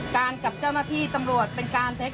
กับเจ้าหน้าที่ตำรวจเป็นการเท็จ